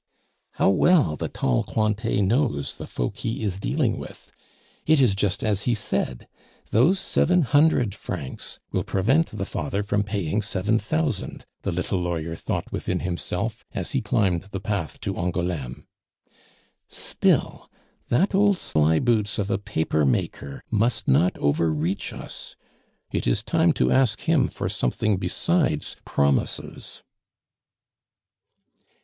"How well the 'tall Cointet' knows the folk he is dealing with! It is just as he said; those seven hundred francs will prevent the father from paying seven thousand," the little lawyer thought within himself as he climbed the path to Angouleme. "Still, that old slyboots of a paper maker must not overreach us; it is time to ask him for something besides promises."